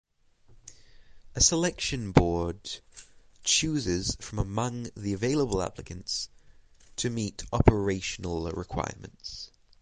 A selection board chooses from among the available applicants to meet operational requirements.